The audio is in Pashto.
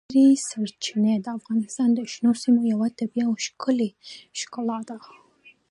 ژورې سرچینې د افغانستان د شنو سیمو یوه طبیعي او ښکلې ښکلا ده.